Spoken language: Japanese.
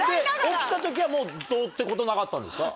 起きた時はもうどうってことなかったんですか？